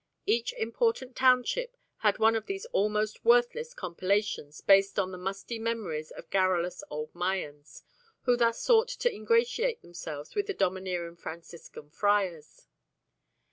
Each important township had one of these almost worthless compilations based on the musty memories of garrulous old Mayans, who thus sought to ingratiate themselves with the domineering Franciscan friars.